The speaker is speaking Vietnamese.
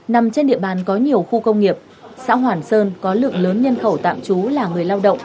nằm trên địa bàn có nhiều khu công nghiệp xã hoàn sơn có lượng lớn nhân khẩu tạm trú là người lao động